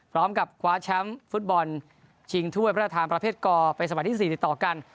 พร้อมกับขวาช้ำฟุตบอลชิงถ้วยพระราทางประเภทกไปสมัยที่๔ต่อกัน